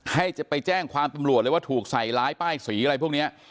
ให้จะไปแจ้งความตำรวจเลยว่าถูกใส่ร้ายป้ายสีอะไรพวกนี้